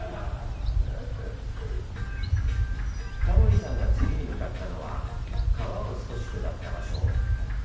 タモリさんが次に向かったのは川を少し下った場所。